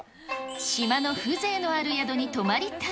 島の風情のある宿に泊まりたい。